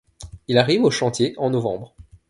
Il arrive au chantier en novembre.